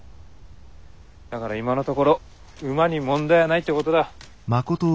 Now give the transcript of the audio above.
だから今のところ馬に問題はないってことだ。